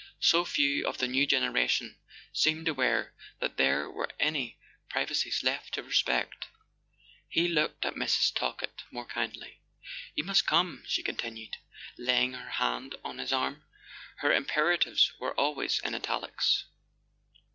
So few of the new generation seemed aware that there were any privacies left to respect! He looked at Mrs. Talkett more kindly. "You must come," she continued, laying her hand on his arm (her imperatives were always in italics).